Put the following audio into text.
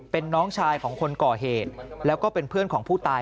เป็นน้องชายของคนก่อเหตุแล้วก็เป็นเพื่อนของผู้ตาย